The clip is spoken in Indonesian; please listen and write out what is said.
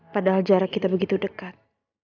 padahal jarak kita begitu dekat